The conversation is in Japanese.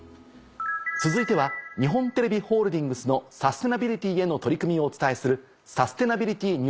続いては日本テレビホールディングスのサステナビリティへの取り組みをお伝えする。